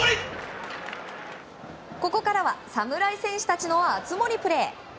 ここからは侍戦士たちの熱盛プレー。